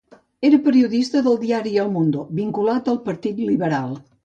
Era periodista del diari El Mundo, vinculat al Partit Liberal.